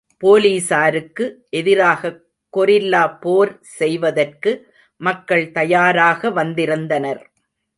போலீசாருக்கு எதிராகக் கொரில்லா போர் செய்வதற்கு மக்கள் தயாராக வந்திருந்தனர்.